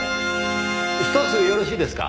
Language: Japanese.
ひとつよろしいですか？